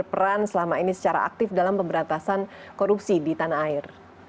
peran selama ini secara aktif dalam pemberantasan korupsi di tanah air